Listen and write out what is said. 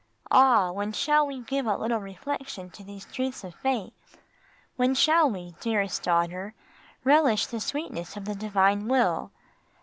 Ah! when shall we give a little reflection to these truths of faith? When shall we, dearest daughter, relish the sweetness of the divine will?